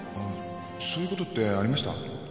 そういうことってありました？